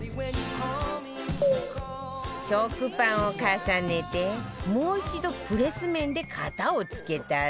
食パンを重ねてもう一度プレス面で型をつけたら